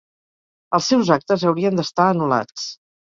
Els seus actes haurien d'estar anul·lats.